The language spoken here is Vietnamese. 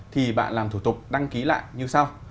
thì bạn làm thủ tục đăng ký lại như sau